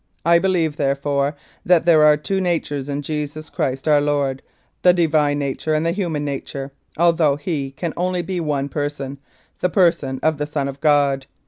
I believe, therefore, that there are two natures in Jesus Christ our Lord, the Divine nature and the human nature, although He can only be one Person, the Person of the Son of God.